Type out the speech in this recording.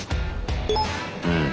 うん。